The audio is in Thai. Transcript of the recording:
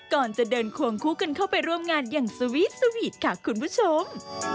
ก่อนจะเดินควงคู่กันเข้าไปร่วมงานอย่างสวีทสวีทค่ะคุณผู้ชม